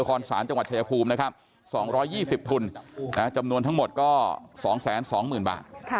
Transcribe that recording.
คอนศาลจังหวัดชายภูมินะครับ๒๒๐ทุนจำนวนทั้งหมดก็๒๒๐๐๐บาท